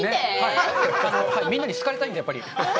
みんなに好かれたいので、やっぱり。